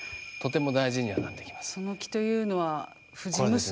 「その気」というのは藤娘。